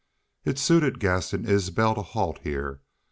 It suited Gaston Isbel to halt here.